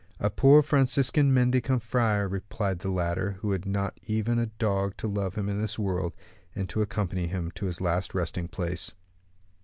"A poor Franciscan mendicant friar," replied the latter, "who had not even a dog to love him in this world, and to accompany him to his last resting place."